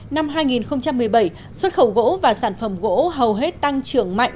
năm hai nghìn một mươi bảy xuất khẩu gỗ và sản phẩm gỗ hầu hết tăng trưởng mạnh